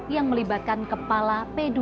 yang melibatkan kepala p dua